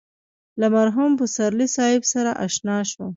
له مرحوم پسرلي صاحب سره اشنا شوم.